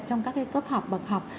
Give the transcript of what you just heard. trong các cấp học bậc học